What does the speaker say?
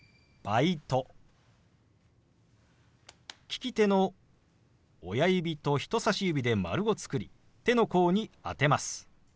利き手の親指と人さし指で丸を作り手の甲に当てます。